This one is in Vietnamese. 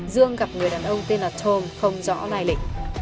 dương gặp người đàn ông tên là tom không rõ lai lịch